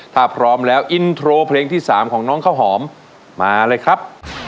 ถ้าพร้อมแล้วอินโทรเพลงที่๓ของน้องข้าวหอมมาเลยครับ